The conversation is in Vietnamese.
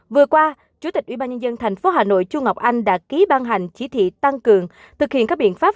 vừa qua chủ tịch ubnd tp hà nội chu ngọc anh đã ký ban hành chỉ thị tăng cường thực hiện các biện pháp